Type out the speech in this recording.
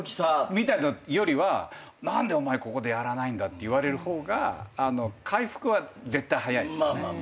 みたいのよりは何でお前ここでやらないんだって言われる方が回復は絶対早いっすね。